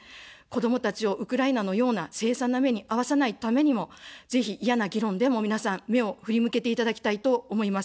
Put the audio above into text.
子どもたちをウクライナのような、凄惨な目に遭わさないためにも、ぜひ嫌な議論でも皆さん、目を振り向けていただきたいと思います。